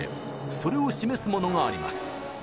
それを示すものがあります。